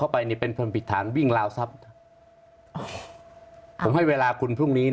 ผมให้เวลาคุณพรุ่งนี้